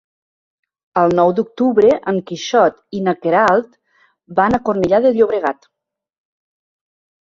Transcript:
El nou d'octubre en Quixot i na Queralt van a Cornellà de Llobregat.